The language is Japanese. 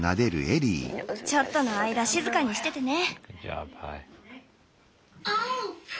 ちょっとの間静かにしててね。